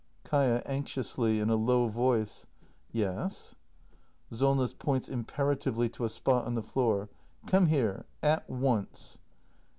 Kaia. [Anxiously, in a low voice.] Yes! Solness. [Points imperatively to a spot on the floor.] Come here! At once!